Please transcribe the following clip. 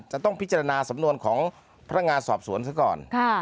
จะต้องพิจารณาสำนวนของพนักงานสอบสวนซะก่อน